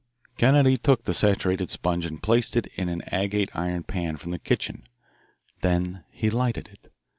Kennedy took the saturated sponge and placed it in an agate iron pan from the kitchen. Then he lighted it.